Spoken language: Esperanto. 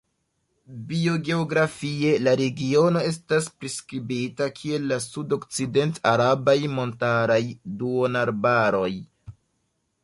Biogeografie la regiono estas priskribita kiel la sudokcident-arabaj montaraj duonarbaroj.